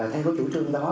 thay với chủ trương đó